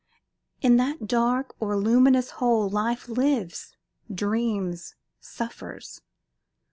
In that dark or luminous hole life lives, dreams, suffers.